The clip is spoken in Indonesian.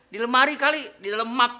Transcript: di lemari kali di lemak